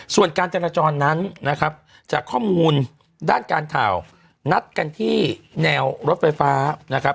ส่วนการจราจรนั้นนะครับจากข้อมูลด้านการข่าวนัดกันที่แนวรถไฟฟ้านะครับ